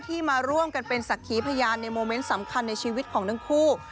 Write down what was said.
มาร่วมกันเป็นสักขีพยานในโมเมนต์สำคัญในชีวิตของทั้งคู่